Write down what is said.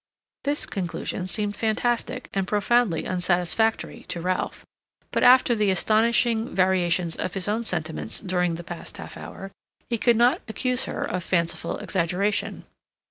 This conclusion seemed fantastic and profoundly unsatisfactory to Ralph, but after the astonishing variations of his own sentiments during the past half hour he could not accuse her of fanciful exaggeration.